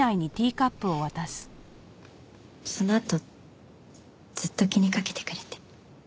そのあとずっと気に掛けてくれて。